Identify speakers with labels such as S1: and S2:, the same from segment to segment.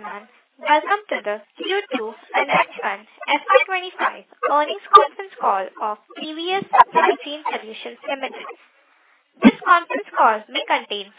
S1: Ladies and gentlemen, welcome to the Q2 and H1 FY25 earnings conference call of TVS Supply Chain Solutions Limited. This conference call may contain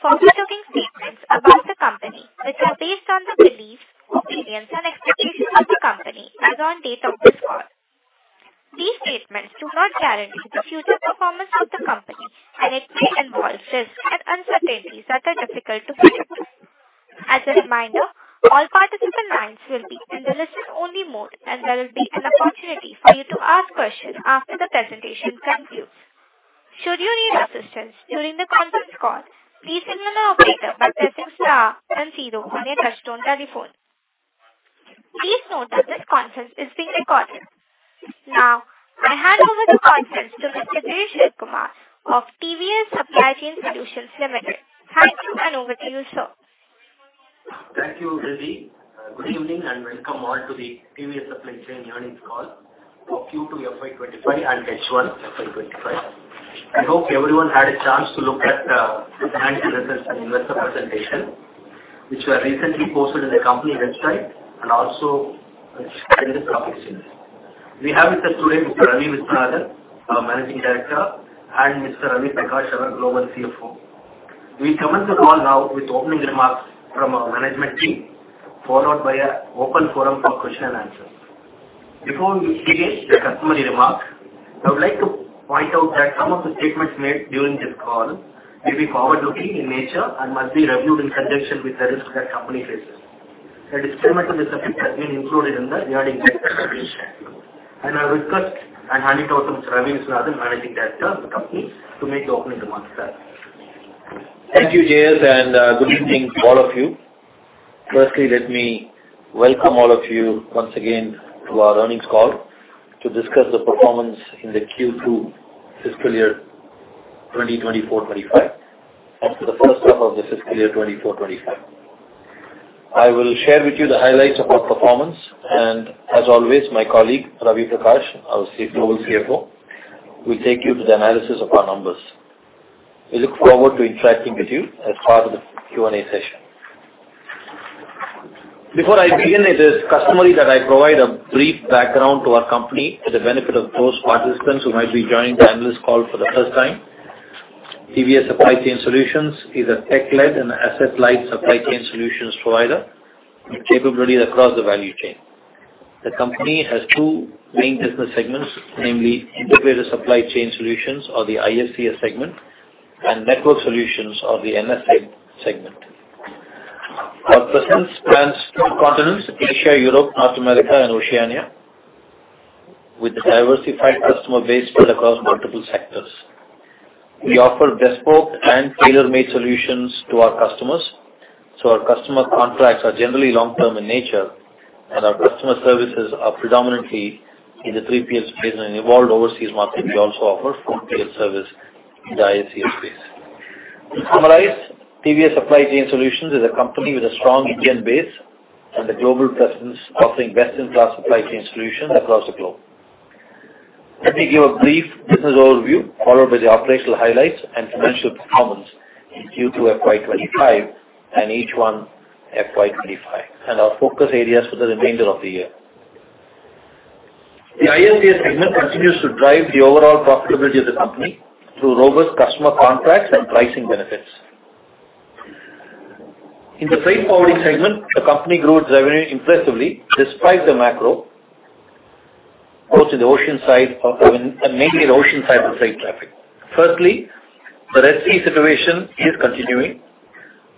S2: point out that some of the statements made during this call may be forward-looking in nature and must be reviewed in conjunction with the risks that the company faces. A disclaimer to this effect has been included in the earnings presentation, and I now hand it over to Mr. Ravi Viswanathan, Managing Director of the company, to make the opening remarks.
S3: Thank you, Girish, and good evening to all of you. Firstly, let me welcome all of you once again to our earnings call to discuss the performance in the Q2 fiscal year 2024-25 and for the first half of the fiscal year 2024-25. I will share with you the highlights of our performance, and as always, my colleague, Ravi Prakash, our Global CFO, will take you to the analysis of our numbers. We look forward to interacting with you as part of the Q&A session. Before I begin, it is customary that I provide a brief background to our company to the benefit of those participants who might be joining the analyst call for the first time. TVS Supply Chain Solutions is a tech-led and asset-light supply chain solutions provider with capabilities across the value chain. The company has two main business segments, namely Integrated Supply Chain Solutions, or the ISCS segment, and Network Solutions, or the NSS segment. Our presence spans two continents: Asia, Europe, North America, and Oceania, with a diversified customer base spread across multiple sectors. We offer bespoke and tailor-made solutions to our customers, so our customer contracts are generally long-term in nature, and our customer services are predominantly in the 3PL space. In an evolved overseas market, we also offer 4PL service in the ISCS space. To summarize, TVS Supply Chain Solutions is a company with a strong regional base and a global presence, offering best-in-class supply chain solutions across the globe. Let me give a brief business overview, followed by the operational highlights and financial performance in Q2 FY25 and H1 FY25, and our focus areas for the remainder of the year. The ISCS segment continues to drive the overall profitability of the company through robust customer contracts and pricing benefits. In the freight forwarding segment, the company grew its revenue impressively despite the macro both in the ocean side and mainly the ocean side of freight traffic. Firstly, the Red Sea situation is continuing,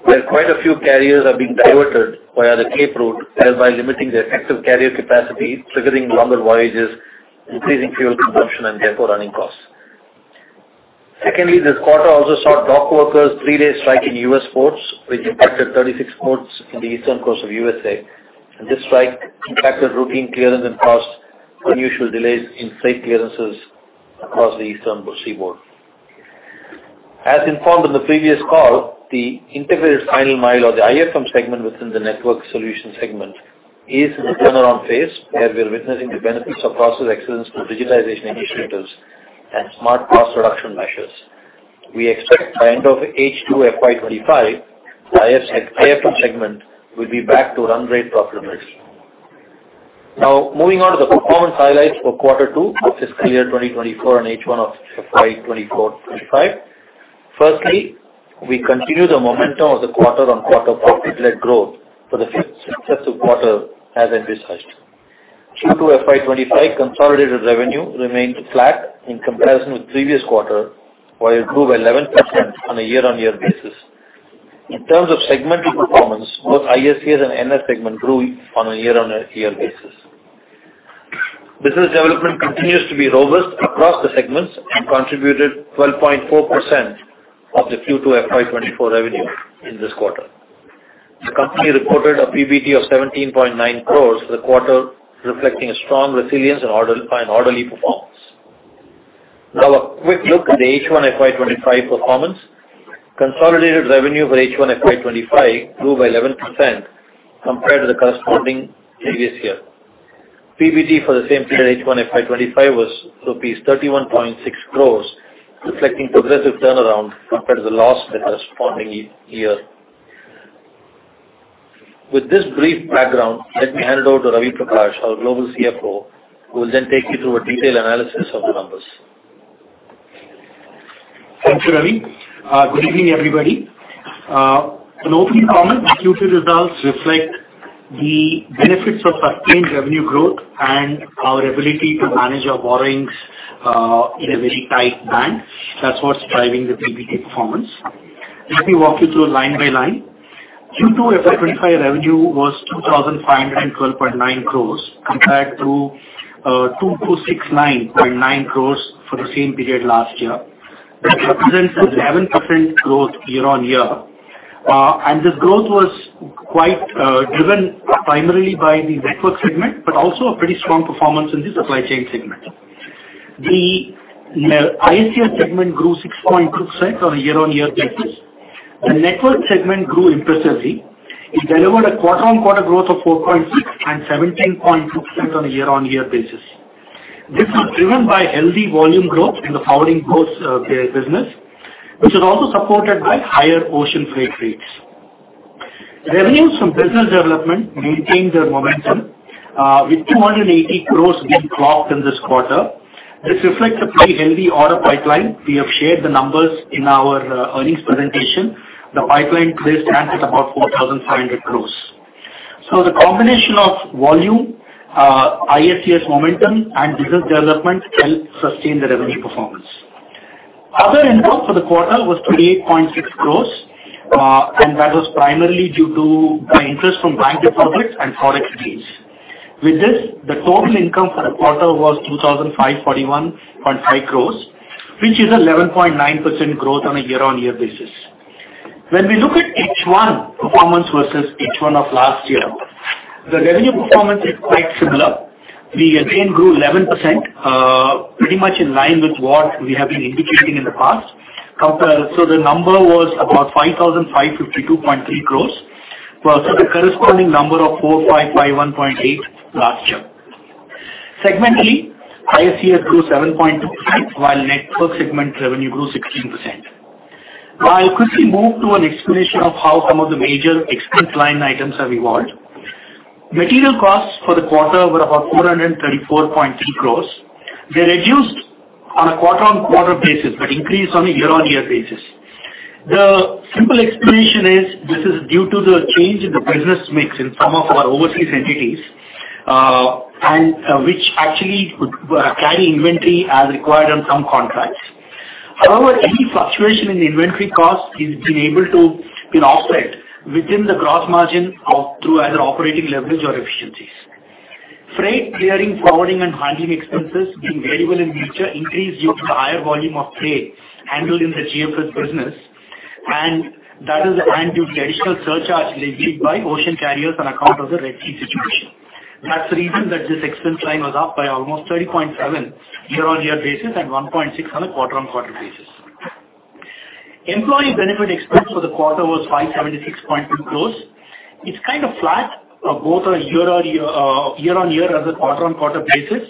S3: where quite a few carriers are being diverted via the Cape Route, thereby limiting their effective carrier capacity, triggering longer voyages, increasing fuel consumption, and therefore running costs. Secondly, this quarter also saw dock workers' three-day strike in U.S. ports, which impacted 36 ports in the Eastern Coast of the USA. This strike impacted routine clearance and caused unusual delays in freight clearances across the eastern seaboard. As informed in the previous call, the Integrated Final Mile, or the IFM segment within the Network Solutions segment, is in the turnaround phase, where we are witnessing the benefits of process excellence through digitization initiatives and smart cost reduction measures. We expect by the end of H2 FY25, the IFM segment will be back to run rate proper limits. Now, moving on to the performance highlights for Quarter 2 of fiscal year 2024 and H1 of FY24-25. Firstly, we continue the momentum of the quarter-on-quarter profit-led growth for the successive quarter as envisaged. Q2 FY25 consolidated revenue remained flat in comparison with the previous quarter, while it grew by 11% on a year-on-year basis. In terms of segmental performance, both ISCS and NSS segment grew on a year-on-year basis. Business development continues to be robust across the segments and contributed 12.4% of the Q2 FY24 revenue in this quarter. The company reported a PBT of 17.9 crores for the quarter, reflecting strong resilience and orderly performance. Now, a quick look at the H1 FY25 performance. Consolidated revenue for H1 FY25 grew by 11% compared to the corresponding previous year. PBT for the same period H1 FY25 was rupees 31.6 crores, reflecting progressive turnaround compared to the loss in the corresponding year. With this brief background, let me hand it over to Ravi Prakash, our Global CFO, who will then take you through a detailed analysis of the numbers.
S4: Thank you, Ravi. Good evening, everybody. An opening comment: the Q2 results reflect the benefits of sustained revenue growth and our ability to manage our borrowings in a very tight band. That's what's driving the PBT performance. Let me walk you through line by line. Q2 FY25 revenue was 2,512.9 crores compared to 2,269.9 crores for the same period last year. This represents an 11% growth year-on-year. And this growth was quite driven primarily by the network segment, but also a pretty strong performance in the supply chain segment. The ISCS segment grew 6.2% on a year-on-year basis. The network segment grew impressively. It delivered a quarter-on-quarter growth of 4.6% and 17.2% on a year-on-year basis. This was driven by healthy volume growth in the forwarding business, which is also supported by higher ocean freight rates. Revenues from business development maintained their momentum, with 280 crores being clocked in this quarter. This reflects a pretty healthy order pipeline. We have shared the numbers in our earnings presentation. The pipeline today stands at about 4,500 crores. So the combination of volume, ISCS momentum, and business development helped sustain the revenue performance. Other income for the quarter was 28.6 crores, and that was primarily due to interest from bank deposits and forex deals. With this, the total income for the quarter was 2,541.5 crores, which is an 11.9% growth on a year-on-year basis. When we look at H1 performance versus H1 of last year, the revenue performance is quite similar. We again grew 11%, pretty much in line with what we have been indicating in the past. So the number was about 5,552.3 crores, so the corresponding number of 4,551.8 last year. Segmentally, ISCS grew 7.2%, while network segment revenue grew 16%. Now, I'll quickly move to an explanation of how some of the major expense line items have evolved. Material costs for the quarter were about 434.3 crores. They reduced on a quarter-on-quarter basis, but increased on a year-on-year basis. The simple explanation is this is due to the change in the business mix in some of our overseas entities, which actually carry inventory as required on some contracts. However, any fluctuation in the inventory costs has been offset within the gross margin through either operating leverage or efficiencies. Freight clearing, forwarding, and handling expenses have been variable in nature, increased due to the higher volume of freight handled in the GFS business, and that is due to additional surcharge levied by ocean carriers on account of the Red Sea situation. That's the reason that this expense line was up by almost 30.7% year-on-year basis and 1.6% on a quarter-on-quarter basis. Employee benefit expense for the quarter was Rs 576.2 crores. It's kind of flat both year-on-year and on a quarter-on-quarter basis.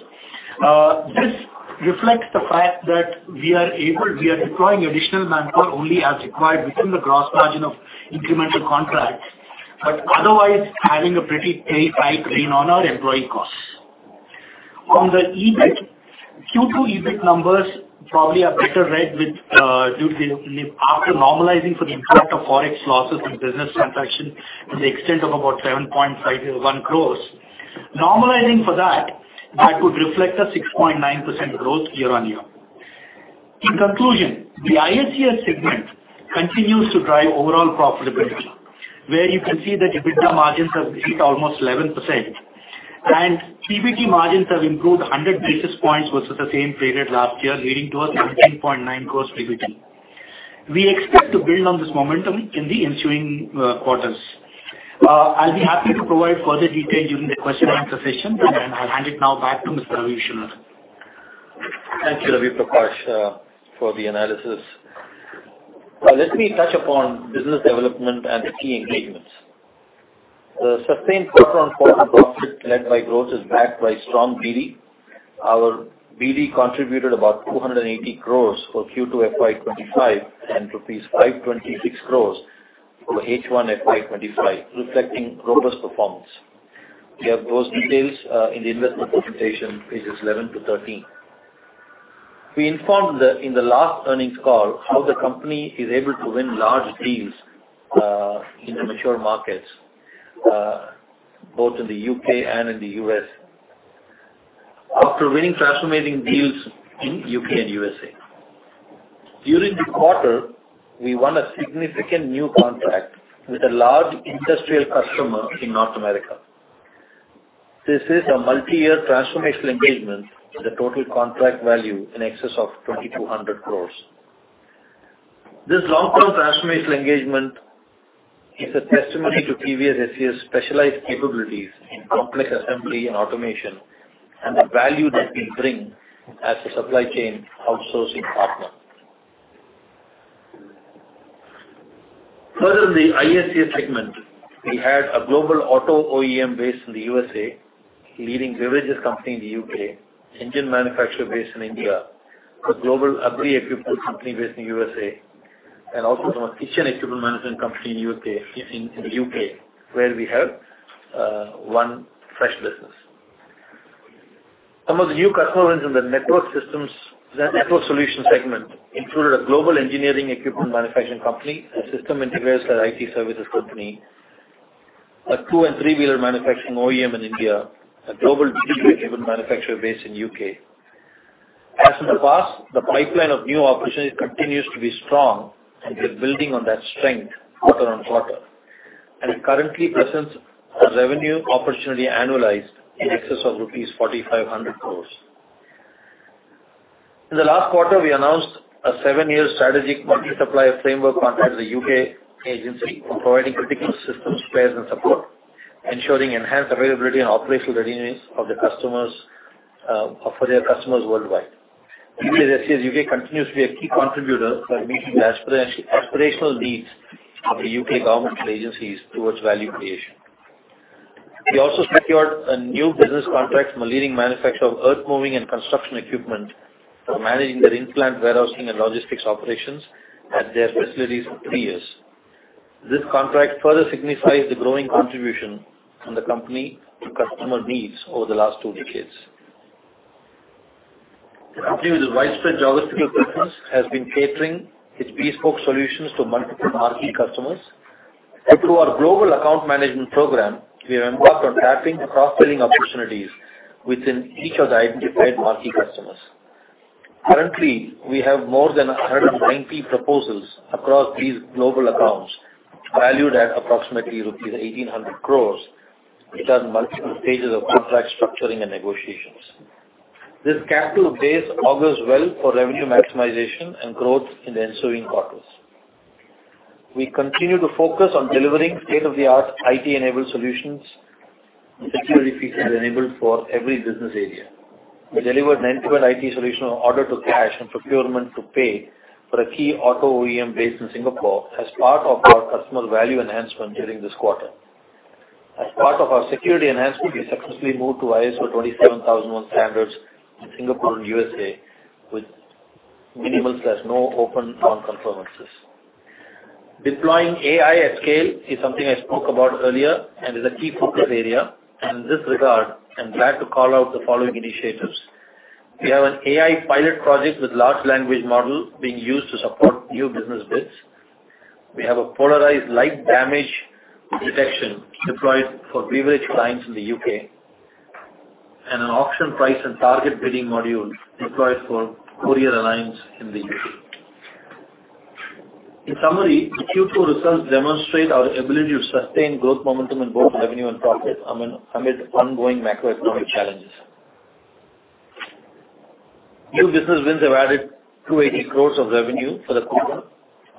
S4: This reflects the fact that we are deploying additional manpower only as required within the gross margin of incremental contracts, but otherwise having a pretty tight rein on our employee costs. On the EBIT, Q2 EBIT numbers probably are better read after normalizing for the impact of forex losses and business transactions to the extent of about Rs 7.51 crores. Normalizing for that, that would reflect a 6.9% growth year-on-year. In conclusion, the ISCS segment continues to drive overall profitability, where you can see that EBITDA margins have increased almost 11%, and PBT margins have improved 100 basis points versus the same period last year, leading to 17.9 crores PBT. We expect to build on this momentum in the ensuing quarters. I'll be happy to provide further detail during the question and answer session, and I'll hand it now back to Mr. Ravi Viswanathan.
S3: Thank you, Ravi Prakash, for the analysis. Let me touch upon business development and key engagements. The sustained quarter-on-quarter profit led by growth is backed by strong BD. Our BD contributed about 280 crores for Q2 FY25 and Rs 526 crores for H1 FY25, reflecting robust performance. We have those details in the investor presentation, pages 11 to 13. We informed in the last earnings call how the company is able to win large deals in the mature markets, both in the UK and in the US, after winning transformation deals in the UK and USA. During the quarter, we won a significant new contract with a large industrial customer in North America. This is a multi-year transformation engagement with a total contract value in excess of 2,200 crores. This long-term transformation engagement is a testimony to TVS SCS' specialized capabilities in complex assembly and automation and the value that we bring as a supply chain outsourcing partner. Further, in the ISCS segment, we had a global auto OEM based in the USA, a leading beverages company in the U.K., an engine manufacturer based in India, a global agri-equipment company based in the USA, and also from a kitchen equipment management company in the U.K., where we have one fresh business. Some of the new customers in the network solution segment included a global engineering equipment manufacturing company, a system integrator IT services company, a two- and three-wheeler manufacturing OEM in India, and a global digital equipment manufacturer based in the U.K. As in the past, the pipeline of new opportunities continues to be strong, and we are building on that strength quarter on quarter, and currently presents a revenue opportunity annualized in excess of Rs 4,500 crores. In the last quarter, we announced a seven-year strategic multi-supplier framework contract with a UK agency for providing critical systems, spares, and support, ensuring enhanced availability and operational readiness for their customers worldwide. TVS SCS UK continues to be a key contributor for meeting the aspirational needs of the UK government agencies towards value creation. We also secured a new business contract from a leading manufacturer of earth-moving and construction equipment for managing their in-plant warehousing and logistics operations at their facilities for three years. This contract further signifies the growing contribution from the company to customer needs over the last two decades. The company, with its widespread geographical presence, has been catering its bespoke solutions to multiple marquee customers. Through our global account management program, we have embarked on tapping across selling opportunities within each of the identified marquee customers. Currently, we have more than 190 proposals across these global accounts, valued at approximately Rs 1,800 crores, which are in multiple stages of contract structuring and negotiations. This capital base augurs well for revenue maximization and growth in the ensuing quarters. We continue to focus on delivering state-of-the-art IT-enabled solutions and security features enabled for every business area. We delivered an end-to-end IT solution on order to cash and procurement to pay for a key auto OEM based in Singapore as part of our customer value enhancement during this quarter. As part of our security enhancement, we successfully moved to ISO 27001 standards in Singapore and USA with minimal/no open non-conformances. Deploying AI at scale is something I spoke about earlier and is a key focus area. In this regard, I'm glad to call out the following initiatives. We have an AI pilot project with a large language model being used to support new business bids. We have a Polarized Light Damage Detection deployed for beverage clients in the UK and an Auction Price and Target Bidding Module deployed for courier lines in the UK. In summary, the Q2 results demonstrate our ability to sustain growth momentum in both revenue and profit amid ongoing macroeconomic challenges. New business wins have added 280 crores of revenue for the quarter.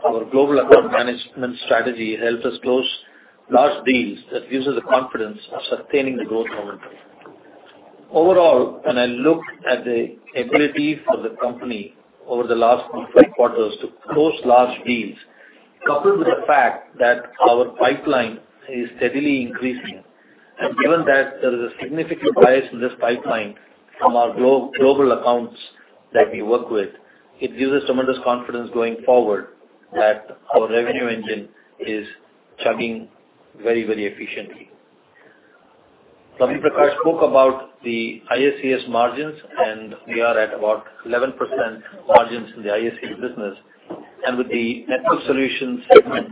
S3: Our global account management strategy helped us close large deals. That gives us the confidence of sustaining the growth momentum. Overall, when I look at the ability for the company over the last three quarters to close large deals, coupled with the fact that our pipeline is steadily increasing, and given that there is a significant bias in this pipeline from our global accounts that we work with, it gives us tremendous confidence going forward that our revenue engine is chugging very, very efficiently. Ravi Prakash spoke about the ISCS margins, and we are at about 11% margins in the ISCS business, and with the Network Solutions segment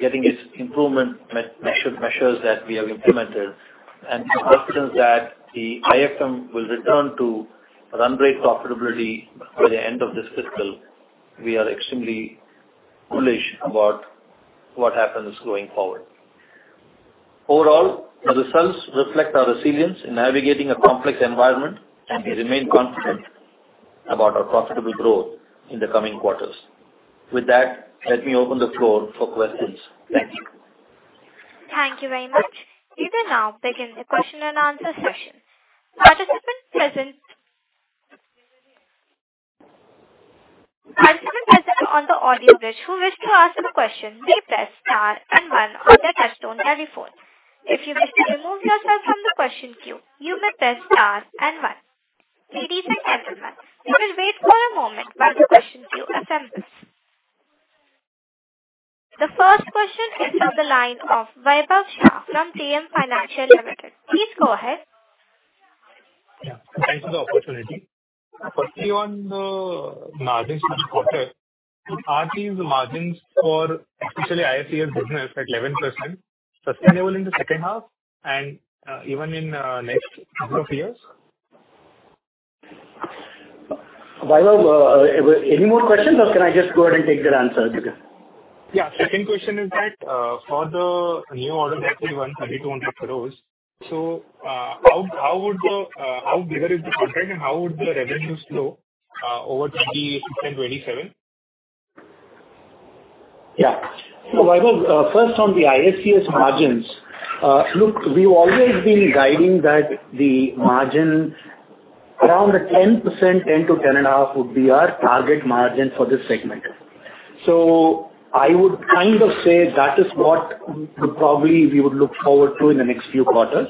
S3: getting its improvement measures that we have implemented and confidence that the IFM will return to run rate profitability by the end of this fiscal, we are extremely bullish about what happens going forward. Overall, the results reflect our resilience in navigating a complex environment, and we remain confident about our profitable growth in the coming quarters. With that, let me open the floor for questions. Thank you.
S1: Thank you very much. You can now begin the question and answer session. Participants present on the audio bridge who wish to ask a question may press star and one on their touch-tone telephone. If you wish to remove yourself from the question queue, you may press star and one. Ladies and gentlemen, we will wait for a moment while the question queue assembles. The first question is from the line of Vaibhav Shah from JM Financial Limited. Please go ahead.
S5: Thanks for the opportunity. For T1 margins this quarter, are these margins for especially ISCS business at 11% sustainable in the second half and even in the next couple of years?
S3: Vaibhav, any more questions, or can I just go ahead and take the answer?
S5: Yeah. Second question is that for the new order that we won, 3,200 crores, so how bigger is the contract, and how would the revenues flow over 2020 and 2027?
S3: Yeah. So Vaibhav, first on the ISCS margins, look, we've always been guiding that the margin around 10%, 10%-10.5% would be our target margin for this segment. So I would kind of say that is what probably we would look forward to in the next few quarters.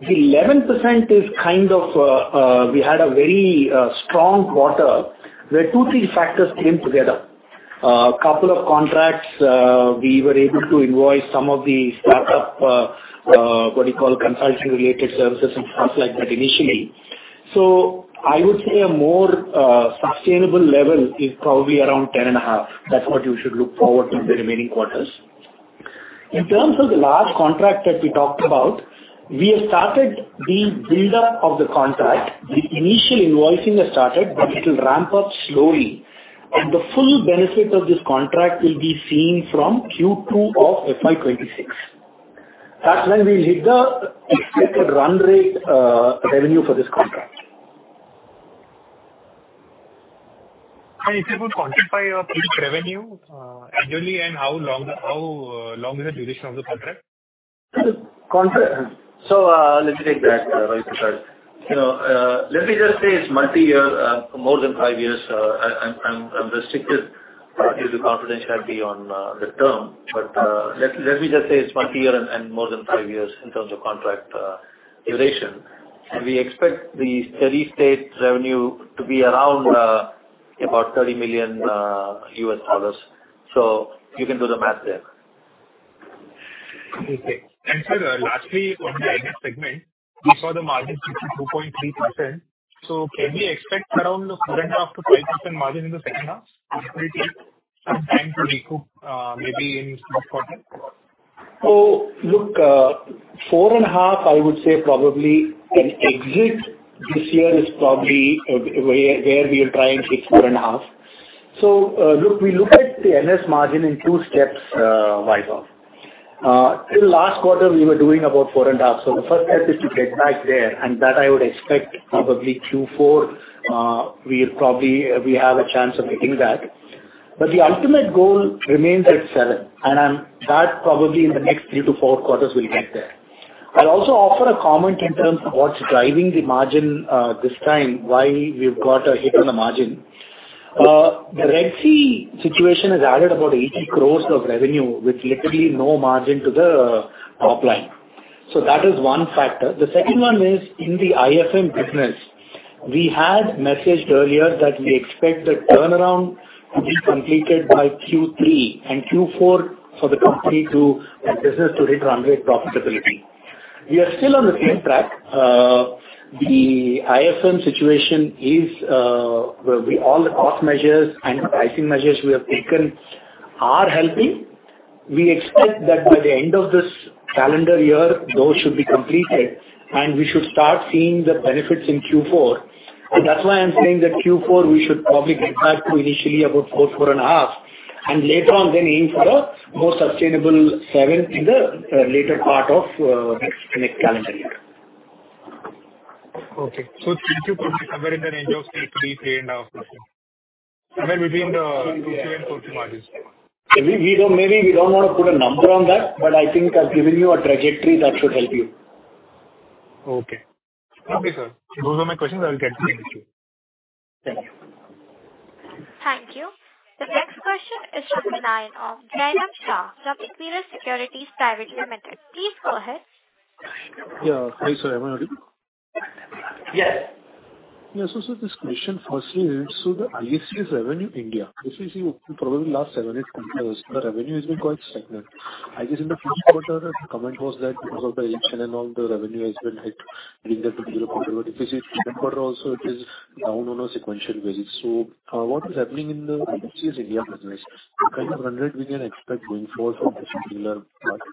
S3: The 11% is kind of we had a very strong quarter where two, three factors came together. A couple of contracts, we were able to invoice some of the startup, what do you call, consulting-related services and stuff like that initially. So I would say a more sustainable level is probably around 10.5%. That's what you should look forward to in the remaining quarters. In terms of the large contract that we talked about, we have started the build-up of the contract. The initial invoicing has started, but it will ramp up slowly. The full benefit of this contract will be seen from Q2 of FY25. That's when we'll hit the expected run rate revenue for this contract.
S5: Can you say about the contract by revenue annually, and how long is the duration of the contract?
S3: Let me take that, Ravi Prakash. Let me just say it's multi-year, more than five years. I'm restricted due to confidentiality on the term, but let me just say it's multi-year and more than five years in terms of contract duration. We expect the steady-state revenue to be around about $30 million. You can do the math there.
S5: Okay. And sir, lastly, on the exit segment, we saw the margin increase to 2.3%. So can we expect around 4.5%-5% margin in the second half? Is it going to take some time to recoup maybe in the next quarter?
S3: So look, 4 and a half, I would say. Probably an exit this year is probably where we'll try and hit 4 and a half. So look, we looked at the NS margin in two steps, Vaibhav. The last quarter, we were doing about 4 and a half. So the first step is to get back there, and that I would expect probably Q4, we have a chance of hitting that. But the ultimate goal remains at 7, and that probably in the next three to four quarters, we'll get there. I'll also offer a comment in terms of what's driving the margin this time, why we've got a hit on the margin. The Red Sea situation has added about 80 crores of revenue with literally no margin to the top line. So that is one factor. The second one is in the IFM business. We had messaged earlier that we expect the turnaround to be completed by Q3 and Q4 for the company to help business to hit run rate profitability. We are still on the same track. The IFM situation is all the cost measures and pricing measures we have taken are helping. We expect that by the end of this calendar year, those should be completed, and we should start seeing the benefits in Q4. That's why I'm saying that Q4, we should probably get back to initially about four, four and a half, and later on then aim for a more sustainable seven in the later part of next calendar year.
S5: Okay. Thank you for the summary and the end of Q3, 3.5%. Somewhere between the Q2 and Q3 margins.
S3: Maybe we don't want to put a number on that, but I think I've given you a trajectory that should help you.
S5: Okay. Thank you, sir. Those are my questions. I will get back to you.
S3: Thank you.
S1: Thank you. The next question is from the line of Graham Shah, Robert Miller Securities Private Limited. Please go ahead.
S6: Yeah. Hi, sir. Am I audible?
S3: Yes.
S6: Yeah. So this question firstly, so the ISCS revenue India, if you see, probably last seven or eight quarters, the revenue has been quite stagnant. I guess in the first quarter, the comment was that because of the election and all, the revenue has been hit during that particular quarter. But if you see, this quarter also, it is down on a sequential basis. So what is happening in the ISCS India business, the kind of run rate we can expect going forward from this particular quarter?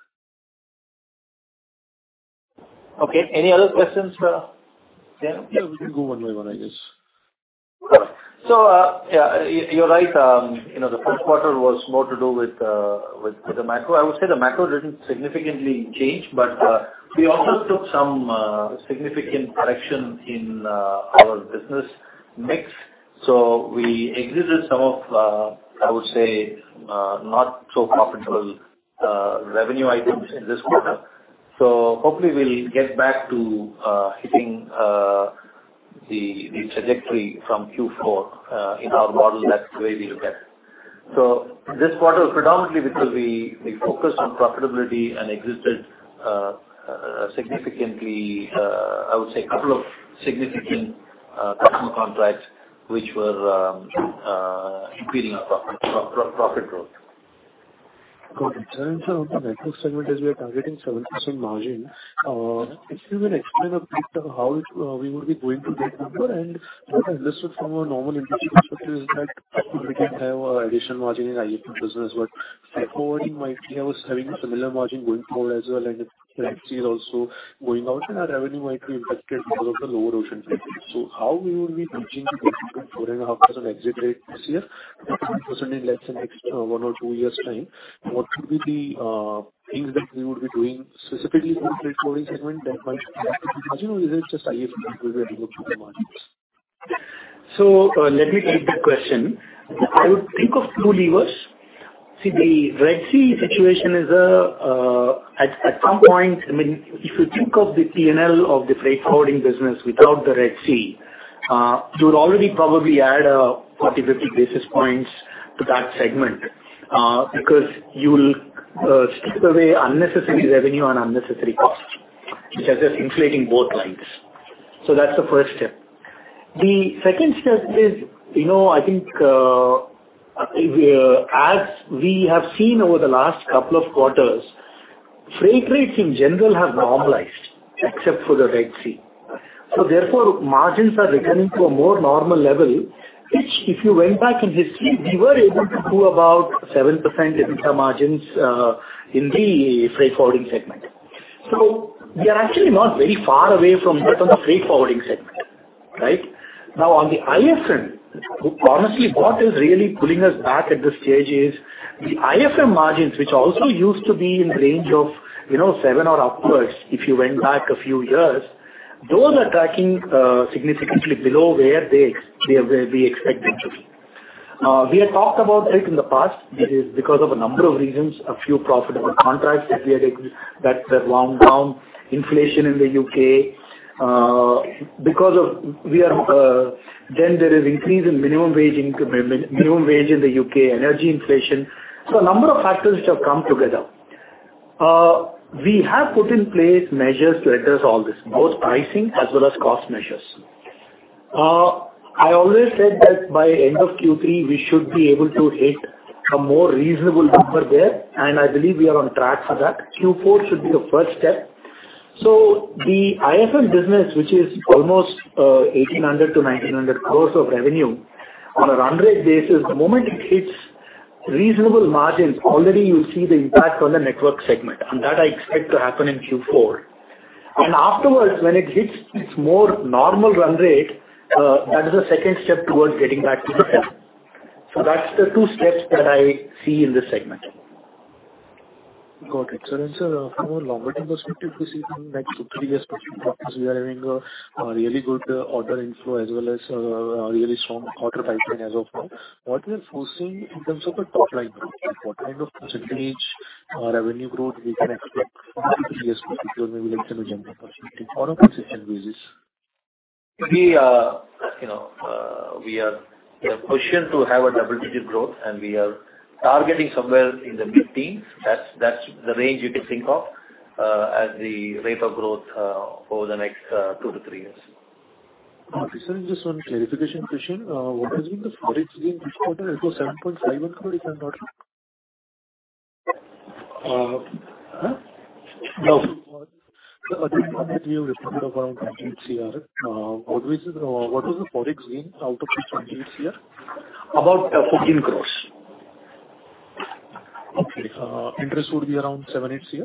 S3: Okay. Any other questions, sir?
S6: Yeah. We can go one by one, I guess.
S3: All right. So yeah, you're right. The first quarter was more to do with the macro. I would say the macro didn't significantly change, but we also took some significant correction in our business mix. So we exited some of, I would say, not-so-profitable revenue items in this quarter. So hopefully, we'll get back to hitting the trajectory from Q4 in our model, that's the way we look at it. So this quarter, predominantly, we focused on profitability and exited significantly, I would say, a couple of significant customer contracts which were impeding our profit growth.
S6: Got it. In terms of the network segment, as we are targeting 7% margin, if you can explain a bit how we would be going to that number. And what I understood from a normal industry perspective is that we can have additional margin in IFM business, but forwarding, we might be having similar margin going forward as well, and Reg C is also going out, and our revenue might be impacted because of the lower ocean freight rates. So how we would be reaching 4.5% exit rate this year, 40% in less than next one or two years' time, what would be the things that we would be doing specifically in the freight forwarding segment that might be, as you know, is it just IFM that we are looking at the margins?
S3: So let me take that question. I would think of two levers. See, the Red Sea situation is, at some point, I mean, if you think of the P&L of the freight forwarding business without the Red Sea, you would already probably add 40-50 basis points to that segment because you'll slip away unnecessary revenue and unnecessary costs, which are just inflating both lines. So that's the first step. The second step is, I think, as we have seen over the last couple of quarters, freight rates in general have normalized except for the Red Sea. So therefore, margins are returning to a more normal level, which if you went back in history, we were able to do about 7% in the margins in the freight forwarding segment. So we are actually not very far away from that on the freight forwarding segment, right? Now, on the IFM, honestly, what is really pulling us back at this stage is the IFM margins, which also used to be in the range of seven or upwards if you went back a few years, those are tracking significantly below where we expect them to be. We had talked about it in the past. It is because of a number of reasons, a few profitable contracts that we had that were wound down, inflation in the UK, because of then there is increase in minimum wage in the UK, energy inflation so a number of factors which have come together. We have put in place measures to address all this, both pricing as well as cost measures. I always said that by end of Q3, we should be able to hit a more reasonable number there, and I believe we are on track for that. Q4 should be the first step, so the IFM business, which is almost 1,800-1,900 crores of revenue on a run rate basis, the moment it hits reasonable margins, already you'll see the impact on the network segment, and that I expect to happen in Q4, and afterwards, when it hits its more normal run rate, that is a second step towards getting back to the seven, so that's the two steps that I see in this segment.
S6: Got it. So from a longer-term perspective, we see from the next two to three years' perspective, we are having a really good order inflow as well as a really strong quarter pipeline as of now. What we are foreseeing in terms of the top line growth, what kind of percentage revenue growth we can expect in the three years' perspective, or maybe let's say the general perspective on a percentage basis?
S3: We are pushing to have a double-digit growth, and we are targeting somewhere in the mid-teens. That's the range you can think of as the rate of growth over the next two to three years.
S6: Okay, so just one clarification question. What has been the freight forwarding this quarter? It was Rs 7.51 crores, if I'm not—
S3: Huh?
S6: No. So at this point, you reported around 28 CR. What was the forwarding gain out of this 28 CR?
S3: About INR 14 crores.
S6: Okay. Interest would be around 78 CR?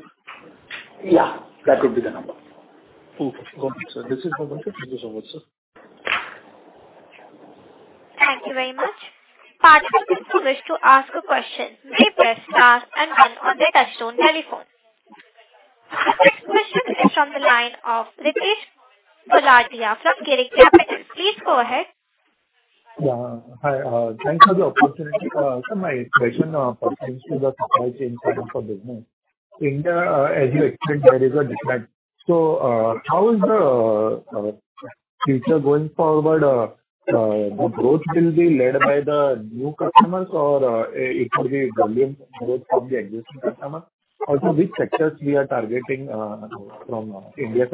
S3: Yeah. That would be the number.
S6: Okay. Got it, sir. This is how much it is. Thank you so much, sir.
S1: Thank you very much. Participants, if you wish to ask a question, press star and then one on the touchtone telephone. The next question is from the line of Ritesh Poladia from Girik Capital. Please go ahead.
S5: Yeah. Hi. Thanks for the opportunity. Sir, my question pertains to the supply chain side of the business. India, as you explained, there is a disconnect. So how is the future going forward? The growth will be led by the new customers, or it will be volume growth from the existing customers? Also, which sectors we are targeting from India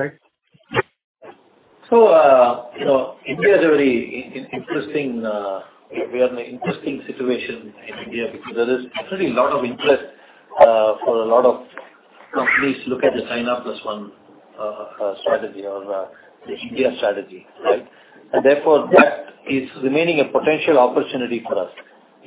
S5: side?
S3: India is a very interesting situation in India because there is definitely a lot of interest for a lot of companies to look at the China Plus One strategy or the India strategy, right? And therefore, that is remaining a potential opportunity for us.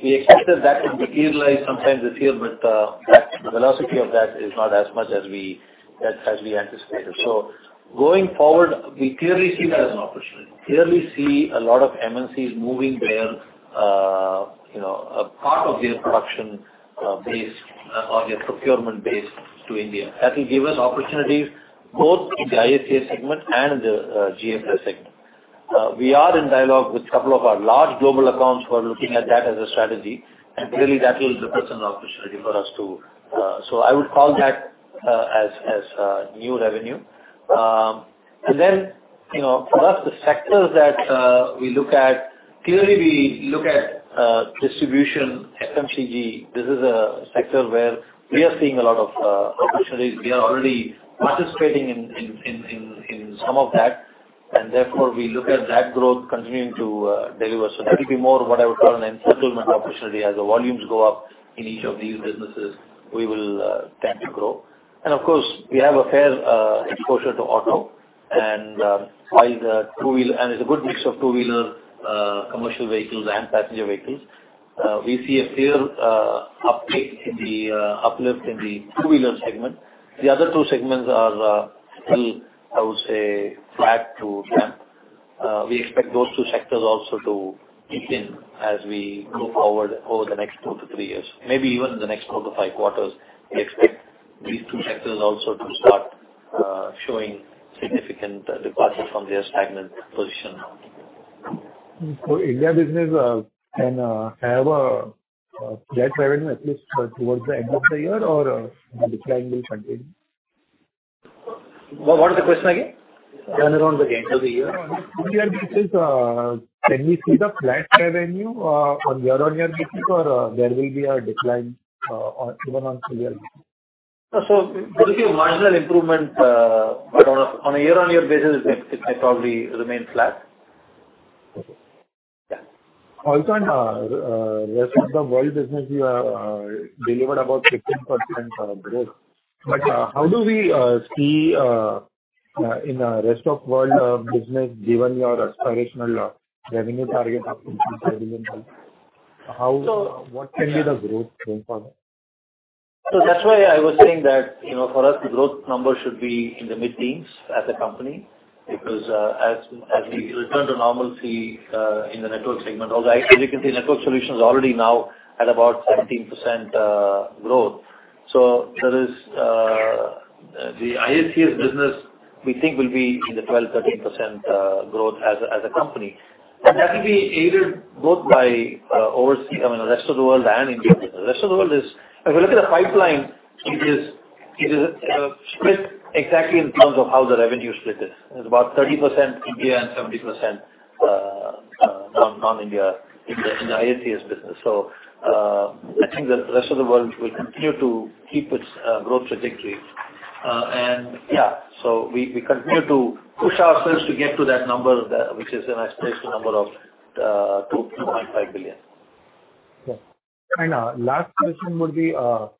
S3: We expected that to materialize sometime this year, but the velocity of that is not as much as we anticipated. So going forward, we clearly see that as an opportunity. We clearly see a lot of MNCs moving their part of their production based or their procurement based to India. That will give us opportunities both in the ISCS segment and the GFS segment. We are in dialogue with a couple of our large global accounts who are looking at that as a strategy, and clearly, that will represent an opportunity for us too. So I would call that as new revenue. Then for us, the sectors that we look at, clearly, we look at distribution, FMCG. This is a sector where we are seeing a lot of opportunities. We are already participating in some of that, and therefore, we look at that growth continuing to deliver, so that will be more what I would call an incremental opportunity. As the volumes go up in each of these businesses, we will tend to grow. And of course, we have a fair exposure to auto and oil, and it is a good mix of two-wheeler commercial vehicles and passenger vehicles. We see a clear uplift in the two-wheeler segment. The other two segments are still, I would say, flat to tepid. We expect those two sectors also to deepen as we go forward over the next two to three years, maybe even in the next four to five quarters. We expect these two sectors also to start showing significant departure from their stagnant position.
S5: For India business, can I have a flat revenue at least towards the end of the year, or the decline will continue?
S3: What was the question again?
S5: Turnaround again for the year-on-year basis, can we see the flat revenue on year-on-year basis, or there will be a decline even on full-year basis?
S3: So there will be a marginal improvement, but on a year-on-year basis, it may probably remain flat.
S5: Okay.
S3: Yeah.
S5: Also, in the rest of the world business, you have delivered about 15% growth. But how do we see in the rest of world business, given your aspirational revenue target of 15 trillion rupees? What can be the growth going forward?
S3: That's why I was saying that for us, the growth number should be in the mid-teens as a company because as we return to normalcy in the network segment, as you can see, network solutions are already now at about 17% growth. The ISCS business, we think, will be in the 12%-13% growth as a company. That will be aided both by, I mean, the rest of the world and India business. The rest of the world is, if you look at the pipeline, it is split exactly in terms of how the revenue split is. It's about 30% India and 70% non-India in the ISCS business. The rest of the world will continue to keep its growth trajectory. Yeah, we continue to push ourselves to get to that number, which is an estimated number of 2.5 billion.
S5: Yeah. And last question would be, there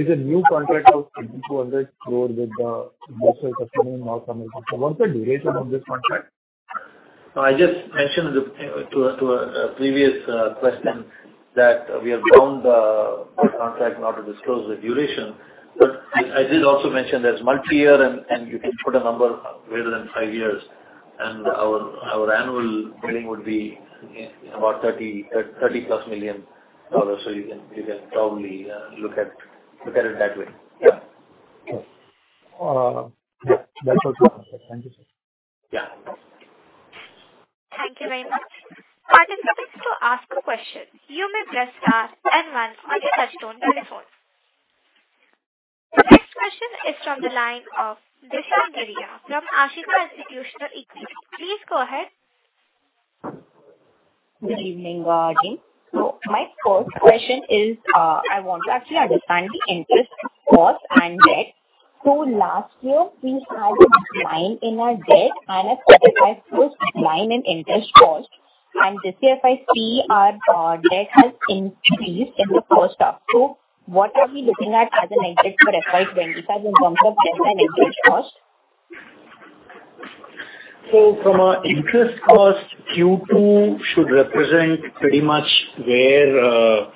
S5: is a new contract of 2,200 crores with the USA customer in North America. So what's the duration of this contract?
S3: I just mentioned to a previous question that we have bound the contract not to disclose the duration, but I did also mention there's multi-year, and you can put a number greater than five years, and our annual billing would be about $30+ million, so you can probably look at it that way. Yeah.
S5: Okay. Yeah. That's what we want to say. Thank you, sir.
S3: Yeah.
S1: Thank you very much. Part of this is to ask a question. You may press star and then on the touch-tone telephone. The next question is from the line of Vishwan Dhudia from Ashika Institutional Equity. Please go ahead.
S7: Good evening, Joanne. So my first question is, I want to actually understand the interest cost and debt. So last year, we had a decline in our debt and a 45% decline in interest cost. And this year, if I see our debt has increased in the first half, so what are we looking at as an exit for FY25 in terms of debt and interest cost?
S3: So from our interest cost, Q2 should represent pretty much where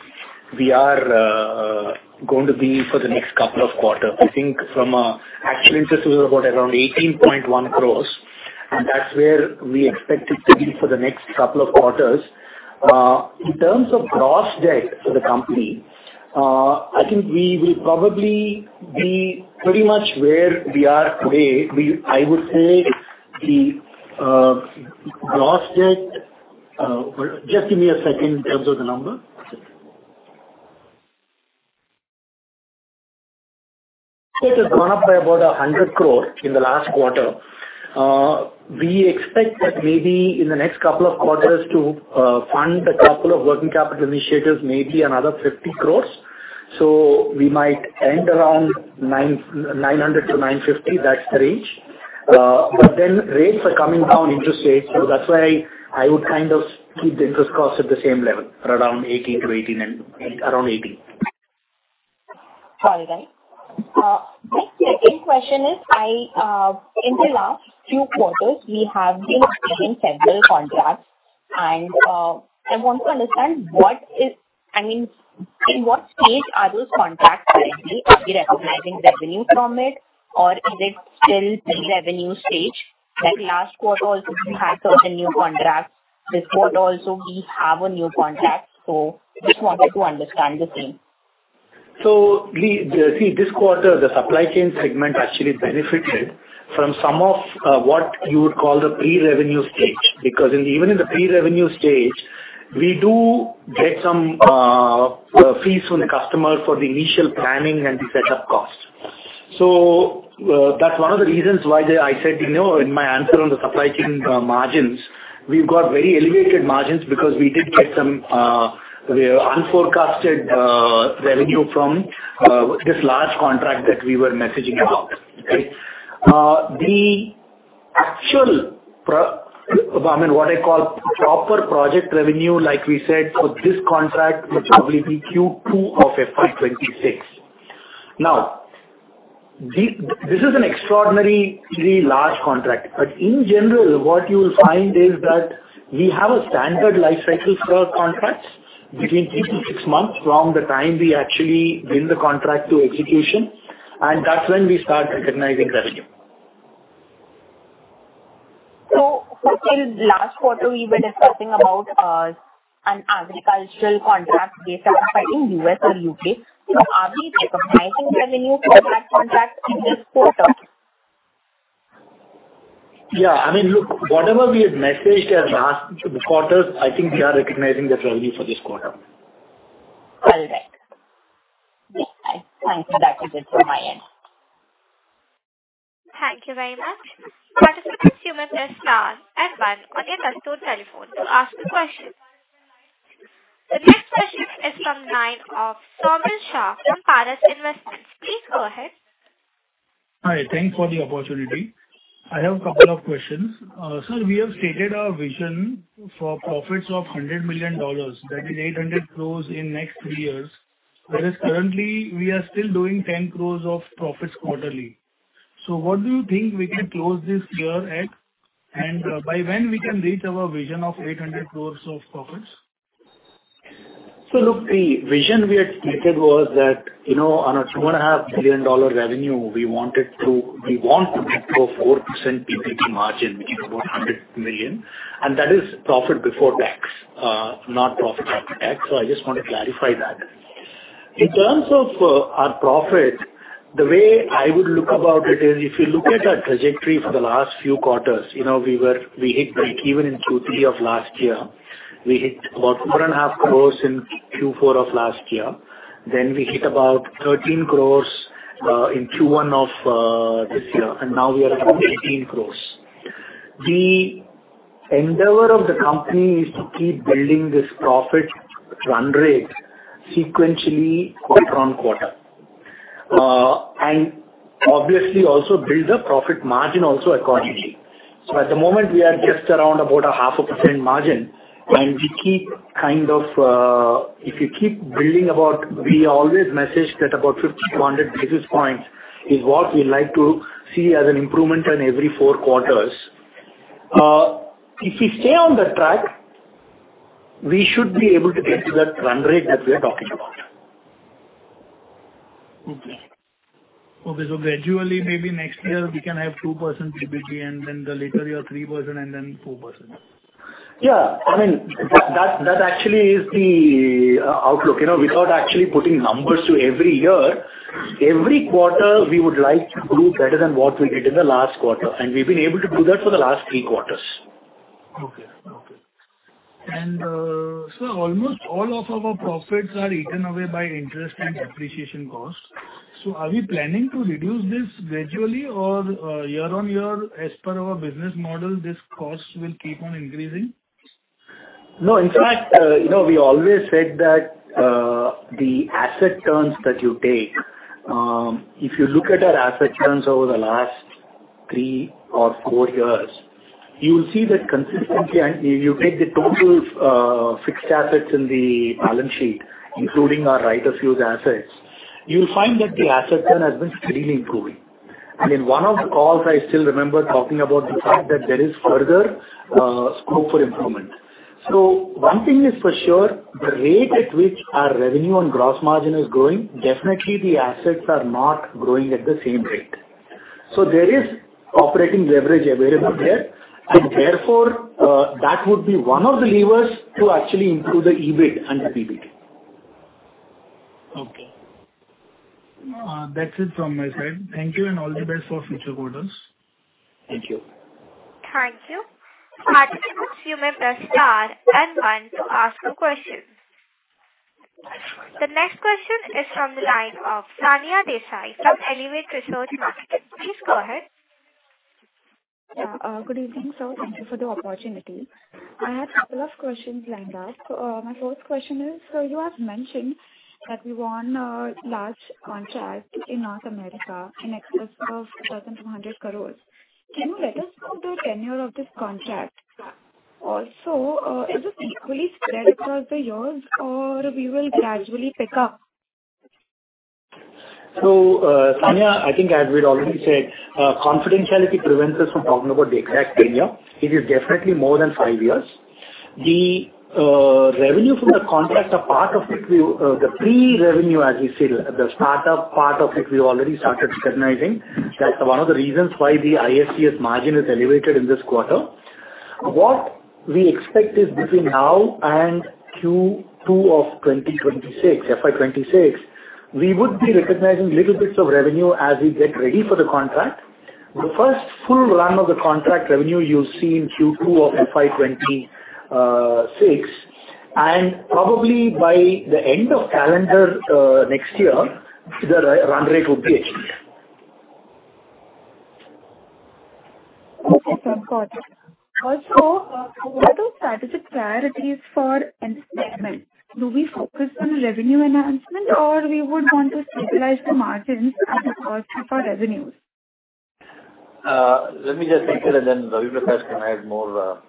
S3: we are going to be for the next couple of quarters. I think from our actual interest, it was about around Rs 18.1 crores, and that's where we expect it to be for the next couple of quarters. In terms of gross debt for the company, I think we will probably be pretty much where we are today. I would say the gross debt, just give me a second in terms of the number. It has gone up by about Rs 100 crores in the last quarter. We expect that maybe in the next couple of quarters to fund a couple of working capital initiatives, maybe another Rs 50 crores. So we might end around 900-950. That's the range. But then rates are coming down, interest rates, so that's why I would kind of keep the interest cost at the same level, around 18 to 18, around 18.
S7: Sorry, guys. Next second question is, in the last few quarters, we have been seeing several contracts, and I want to understand what is, I mean, in what stage are those contracts currently? Are we recognizing revenue from it, or is it still pre-revenue stage? Like last quarter, we had certain new contracts. This quarter, also, we have a new contract, so just wanted to understand the same.
S3: So, see, this quarter, the supply chain segment actually benefited from some of what you would call the pre-revenue stage because even in the pre-revenue stage, we do get some fees from the customer for the initial planning and the setup cost. So that's one of the reasons why I said in my answer on the supply chain margins, we've got very elevated margins because we did get some unforecasted revenue from this large contract that we were messaging about, okay? The actual, I mean, what I call proper project revenue, like we said, for this contract will probably be Q2 of FY26. Now, this is an extraordinarily large contract, but in general, what you will find is that we have a standard life cycle for our contracts between three to six months from the time we actually win the contract to execution, and that's when we start recognizing revenue.
S7: So last quarter, we were discussing about an agricultural contract based on U.S. or U.K. So are we recognizing revenue from that contract in this quarter?
S3: Yeah. I mean, look, whatever we had messaged as last quarter, I think we are recognizing that revenue for this quarter.
S7: All right. Okay. Thank you. That was it from my end.
S1: Thank you very much. To ask a question, please press star one on your touchtone telephone. The next question is from the line of Saumil Shah from Paras Investments. Please go ahead.
S8: Hi. Thanks for the opportunity. I have a couple of questions. Sir, we have stated our vision for profits of $100 million, that is 800 crores in next three years. Whereas currently, we are still doing 10 crores of profits quarterly. So what do you think we can close this year at, and by when we can reach our vision of 800 crores of profits?
S3: So look, the vision we had stated was that on our $2.5 billion revenue, we want to go 4% PBT margin, which is about $100 million, and that is profit before tax, not profit after tax. So I just want to clarify that. In terms of our profit, the way I would look about it is if you look at our trajectory for the last few quarters, we hit break-even in Q3 of last year. We hit about Rs 4.5 crores in Q4 of last year. Then we hit about Rs 13 crores in Q1 of this year, and now we are at Rs 18 crores. The endeavor of the company is to keep building this profit run rate sequentially quarter on quarter and obviously also build a profit margin also accordingly. At the moment, we are just around about 0.5% margin, and we keep kind of if you keep building about. We always message that about 50-200 basis points is what we like to see as an improvement in every four quarters. If we stay on the track, we should be able to get to that run rate that we are talking about.
S8: Okay. So gradually, maybe next year, we can have 2 percentage points and then the latter year 3 percentage points and then 4 percentage points.
S3: Yeah. I mean, that actually is the outlook. Without actually putting numbers to every year, every quarter, we would like to do better than what we did in the last quarter, and we've been able to do that for the last three quarters.
S8: Okay. And sir, almost all of our profits are eaten away by interest and depreciation cost. So are we planning to reduce this gradually or year-on-year as per our business model, this cost will keep on increasing?
S3: No. In fact, we always said that the asset turns that you take, if you look at our asset turns over the last three or four years, you will see that consistently, and if you take the total fixed assets in the balance sheet, including our right-of-use assets, you'll find that the asset turn has been steadily improving. I mean, one of the calls, I still remember talking about the fact that there is further scope for improvement. So one thing is for sure, the rate at which our revenue and gross margin is growing, definitely the assets are not growing at the same rate. So there is operating leverage available there, and therefore, that would be one of the levers to actually improve the EBIT and the PBT.
S8: Okay. That's it from my side. Thank you and all the best for future quarters. Thank you.
S1: Thank you. To ask a question, press star and then one. The next question is from the line of Sania Desai from Elevate Research Marketing. Please go ahead.
S9: Good evening, sir. Thank you for the opportunity. I had a couple of questions lined up. My first question is, so you have mentioned that we won a large contract in North America in excess of 1,200 crores. Can you let us know the tenure of this contract? Also, is it equally spread across the years, or we will gradually pick up?
S3: So Sania, I think as we'd already said, confidentiality prevents us from talking about the exact tenure. It is definitely more than five years. The revenue from the contract, a part of it, the pre-revenue, as we said, the startup part of it, we've already started recognizing. That's one of the reasons why the ISCS margin is elevated in this quarter. What we expect is between now and Q2 of 2026, FY26, we would be recognizing little bits of revenue as we get ready for the contract. The first full run of the contract revenue you'll see in Q2 of FY26, and probably by the end of calendar next year, the run rate will be achieved.
S9: Okay. Sounds good. Also, what are the strategic priorities for investment? Do we focus on revenue enhancement, or we would want to stabilize the margins and the cost of our revenues?
S3: Let me just take it, and then Ravi Prakash can add more.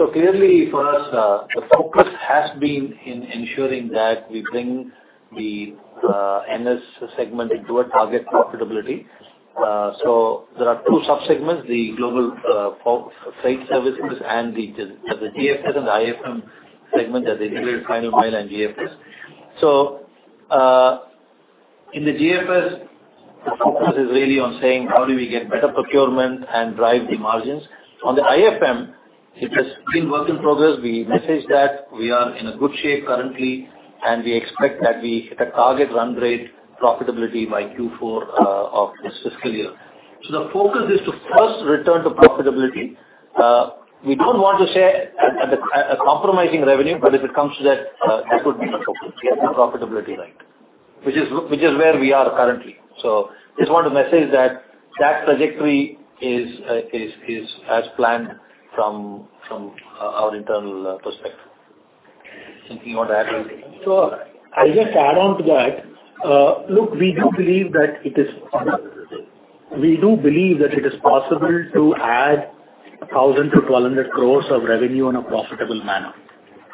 S3: So clearly, for us, the focus has been in ensuring that we bring the NS segment into a target profitability. So there are two subsegments, the global freight services and the GFS and the IFM segment that is Integrated Final Mile and GFS. So in the GFS, the focus is really on saying, "How do we get better procurement and drive the margins?" On the IFM, it has been work in progress. We message that we are in good shape currently, and we expect that we hit a target run rate profitability by Q4 of this fiscal year. So the focus is to first return to profitability. We don't want to compromise revenue, but if it comes to that, that would be the focus. We have to prioritize profitability right, which is where we are currently. Just want to message that trajectory is as planned from our internal perspective.
S9: Thank you. You want to add anything?
S3: I'll just add on to that. Look, we do believe that it is possible. We do believe that it is possible to add 1,000-1,200 crores of revenue in a profitable manner.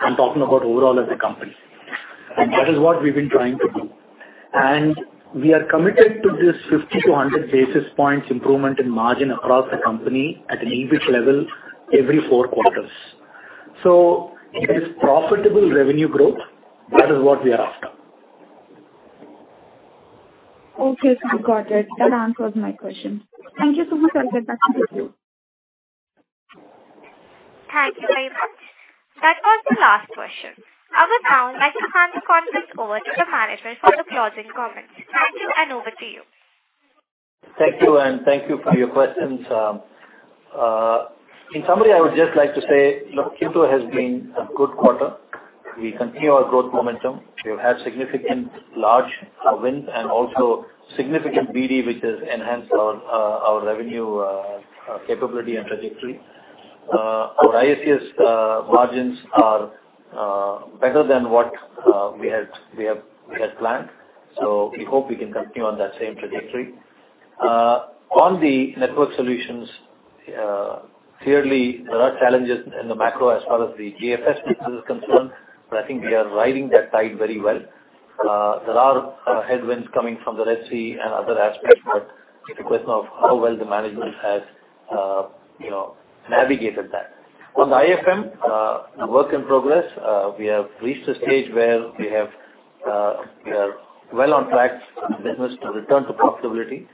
S3: I'm talking about overall as a company. That is what we've been trying to do. We are committed to this 50-100 basis points improvement in margin across the company at an EBIT level every four quarters. It is profitable revenue growth. That is what we are after.
S9: Okay. Sounds good. That answers my question. Thank you so much. I'll get back to you.
S1: Thank you very much. That was the last question. I would now like to hand the conference over to the manager for the closing comments. Thank you, and over to you.
S3: Thank you, and thank you for your questions. In summary, I would just like to say, look, Q2 has been a good quarter. We continue our growth momentum. We have had significant large wins and also significant BD, which has enhanced our revenue capability and trajectory. Our ISCS margins are better than what we had planned, so we hope we can continue on that same trajectory. On the Network Solutions, clearly, there are challenges in the macro as far as the GFS is concerned, but I think we are riding that tide very well. There are headwinds coming from the Red Sea and other aspects, but it's a question of how well the management has navigated that. On the IFM, work in progress. We have reached a stage where we are well on track for business to return to profitability.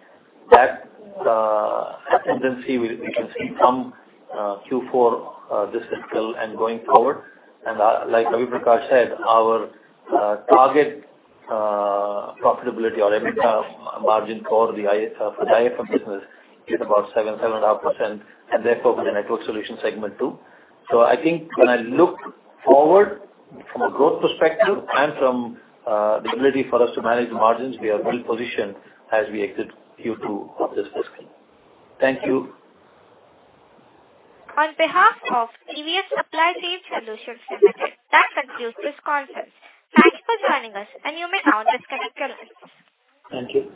S3: That tendency we can see from Q4 this fiscal and going forward, and like Ravi Prakash said, our target profitability or margin for the IFM business is about 7%-7.5%, and therefore, for the Network Solutions segment too, so I think when I look forward from a growth perspective and from the ability for us to manage the margins, we are well positioned as we exit Q2 of this fiscal. Thank you.
S1: On behalf of TVS Supply Chain Solutions Limited, that concludes this conference. Thank you for joining us, and you may now disconnect your lines.
S3: Thank you.